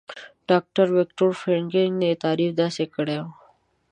ډاکټر ويکټور فرېنکل يې تعريف داسې کړی وو.